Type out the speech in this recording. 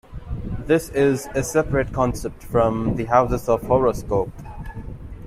This is a separate concept from the houses of the horoscope.